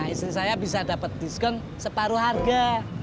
istri saya bisa dapat diskon separuh harga